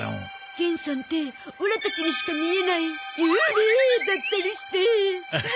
玄さんってオラたちにしか見えない幽霊だったりして。